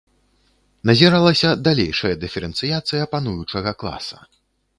Назіралася далейшая дыферэнцыяцыя пануючага класа.